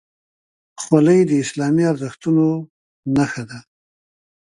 خولۍ د اسلامي ارزښتونو نښه ده.